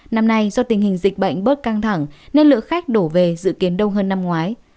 năm nay do tình hình dịch bệnh bớt căng thẳng nên lượng khách đổ về dự kiến đông hơn năm ngoái